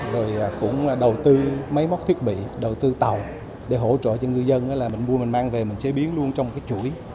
rồi cũng đầu tư máy móc thiết bị đầu tư tàu để hỗ trợ cho người dân là mình mua mình mang về mình chế biến luôn trong chuỗi